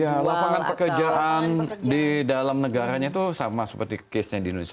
ya lapangan pekerjaan di dalam negaranya itu sama seperti case nya di indonesia